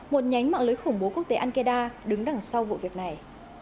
một nhánh mạng lưới khủng bố quốc tế al qaeda đứng đằng sau vụ việc này